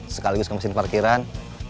sekaligus ngawasin parkiran